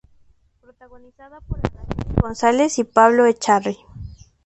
Protagonizada por Araceli González y Pablo Echarri.